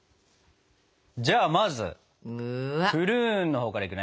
じゃあまずプルーンのほうからいくね。